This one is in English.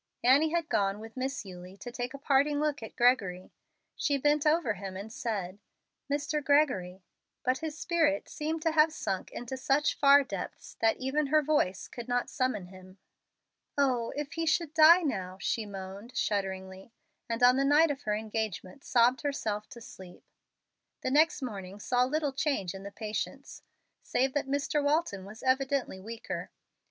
Annie had gone with Miss Eulie to take a parting look at Gregory. She bent over him and said, "Mr. Gregory," but his spirit seemed to have sunk into such far depths that even her voice could not summon him. "Oh, if he should die now!" she moaned, shudderingly, and on the night of her engagement sobbed herself to sleep. The next morning saw little change in the patients, save that Mr. Walton was evidently weaker.